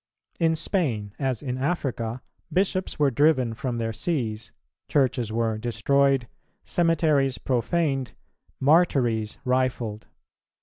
In Spain, as in Africa, bishops were driven from their sees, churches were destroyed, cemeteries profaned, martyries rifled.